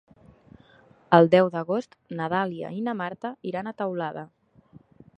El deu d'agost na Dàlia i na Marta iran a Teulada.